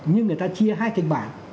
nhưng người ta chia hai kịch bản